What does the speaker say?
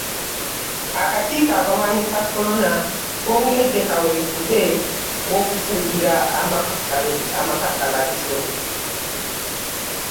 Akakiiko akalwanyisa Kolona kongedde kaweefube w’okufuuyira amakakkalabizo.